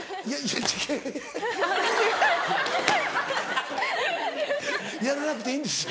私⁉やらなくていいんですよ。